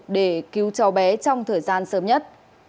để cứu cho bé trong thời gian sớm nhất